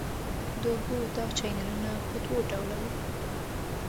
د اوبو دا چینلونه په دوه ډوله وو.